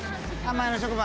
前の職場の。